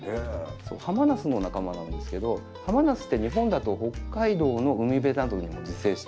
ハマナスの仲間なんですけどハマナスって日本だと北海道の海辺などにも自生しているバラなんですよね。